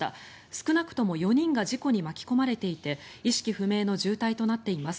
少なくとも４人が事故に巻き込まれていて意識不明の重体となっています。